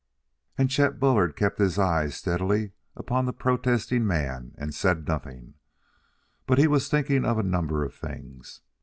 And Chet Bullard kept his eyes steadily upon the protesting man and said nothing, but he was thinking of a number of things.